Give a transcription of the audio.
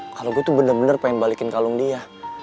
kalau gue tuh bener bener pengen balikin kalung dia